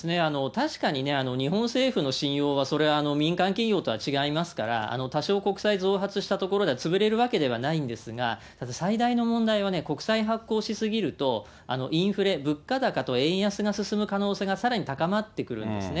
確かにね、日本政府の信用は、それは民間企業とは違いますから、多少国債増発したところで潰れるわけではないんですが、最大の問題はね、国債発行し過ぎると、インフレ、物価高と円安が進む可能性がさらに高まってくるんですね。